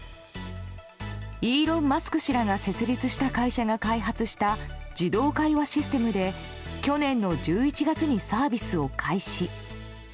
イーロン・マスク氏らが設立した会社が開発した自動会話システムで去年の１１月にサービスを開始。